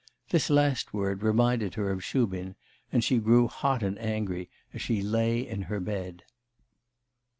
This last word reminded her of Shubin, and she grew hot and angry, as she lay in her bed.